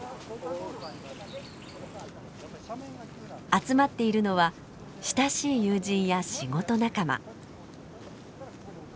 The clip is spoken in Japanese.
集まっているのは親しい友人や仕事仲間。